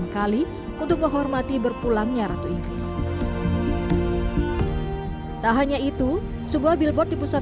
kali untuk menghormati berpulangnya ratu inggris tak hanya itu sebuah billboard di pusat